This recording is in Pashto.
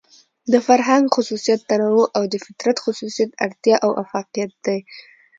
د فرهنګ خصوصيت تنوع او د فطرت خصوصيت اړتيا او اۤفاقيت دى.